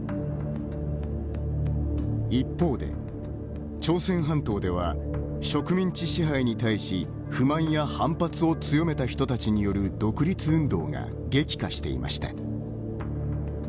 一方で、朝鮮半島では植民地支配に対し不満や反発を強めた人たちによる独立運動が激化していました。